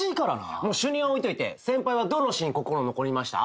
主任は置いといて先輩はどのシーン心残りました？